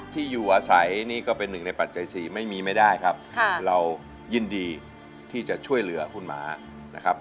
ที่อยู่อาศัยนี่ก็เป็นหนึ่งในปัจจัย๔ไม่มีไม่ได้ครับเรายินดีที่จะช่วยเหลือคุณหมานะครับ